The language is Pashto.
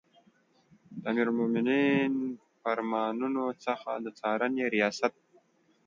د امیرالمؤمنین د فرمانونو څخه د څارنې ریاست